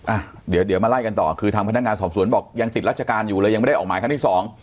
อ่ะเดี๋ยวเดี๋ยวมาไล่กันต่อคือทางพนักงานสอบสวนบอกยังติดรัชการอยู่เลยยังไม่ได้ออกหมายครั้งที่สอง